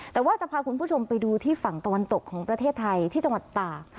แต่ว่าจะพาคุณผู้ชมไปดูที่ฝั่งตะวันตกของประเทศไทยที่จังหวัดตาก